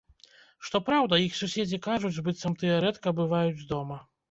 Што праўда, іх суседзі кажуць, быццам тыя рэдка бываюць дома.